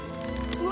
うわ！